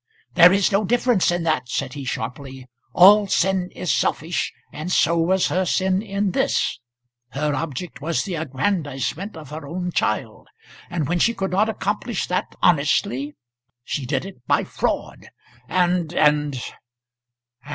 "There is no difference in that," said he sharply. "All sin is selfish, and so was her sin in this. Her object was the aggrandisement of her own child; and when she could not accomplish that honestly, she did it by fraud, and and and